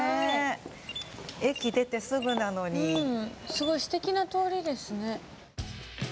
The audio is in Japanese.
すごいすてきな通りですね。